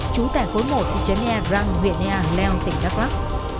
chú tài khối một thị trấn ea răng huyện ea leo tỉnh đắk lắk